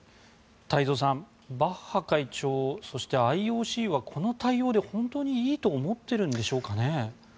太蔵さんバッハ会長、そしてＩＯＣはこの対応で本当にいいと思っているんでしょうかね。